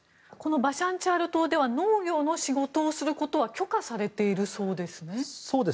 バシャンチャール島では農業の仕事をすることは許可されているそうですね。